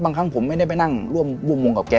ครั้งผมไม่ได้ไปนั่งร่วมวงกับแก